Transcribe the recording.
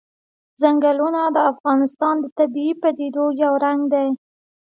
ځنګلونه د افغانستان د طبیعي پدیدو یو رنګ دی.